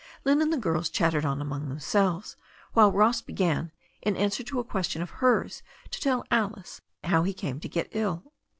Lynne and the girls chat tered on among themselves, while Ross began, in answer to ia question of hers, to tell Alice how he came to get ill.